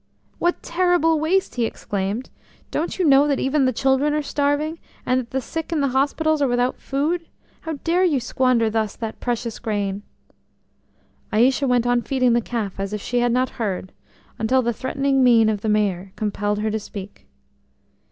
"What terrible waste!" he exclaimed. "Don't you know that even the children are starving, and that the sick in the hospitals are without food? How dare you squander thus that precious grain?" Aïcha went on feeding the calf as if she had not heard, until the threatening mien of the Mayor compelled her to speak.